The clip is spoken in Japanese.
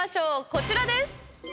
こちらです！